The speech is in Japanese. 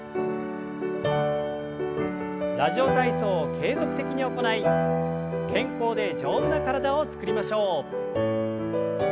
「ラジオ体操」を継続的に行い健康で丈夫な体を作りましょう。